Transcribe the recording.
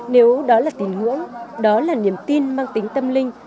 nếu đó là tình huống đó là niềm tin mang tính tâm linh